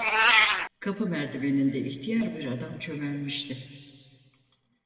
Kapı merdiveninde ihtiyar bir adam çömelmişti.